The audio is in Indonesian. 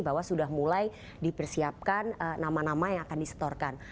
bahwa sudah mulai dipersiapkan nama nama yang akan disetorkan